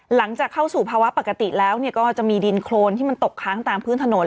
หลังจากเข้าสู่ภาวะปกติแล้วก็จะมีดินโครนที่มันตกค้างตามพื้นถนน